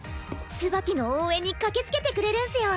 ツバキの応援に駆けつけてくれるんすよ。